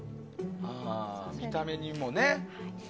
見た目にもね。